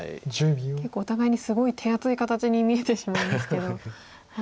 結構お互いにすごい手厚い形に見えてしまいますけど。